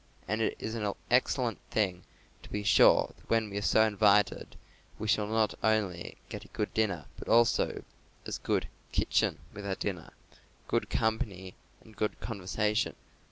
And it is an excellent thing to be sure that when we are so invited we shall not only get a good dinner, but also, as good "kitchen" with our dinner, good company and good conversation.